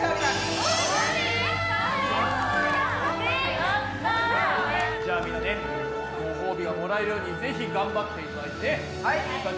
やった！じゃあみんなねごほうびがもらえるようにぜひ頑張っていただいてね。